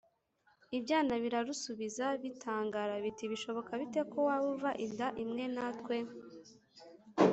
ibyana birarusubiza bitangara biti «bishoboka bite ko waba uva inda imwe na twe?»